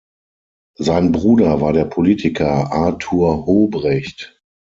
Sein Bruder war der Politiker Arthur Hobrecht.